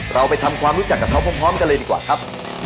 เราไปทำความรู้จักกับเขาพร้อมกันเลยดีกว่าครับ